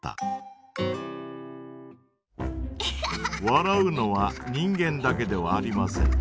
笑うのは人間だけではありません。